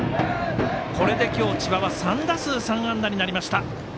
これで今日、千葉は３打数３安打になりました。